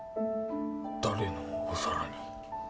誰のお皿に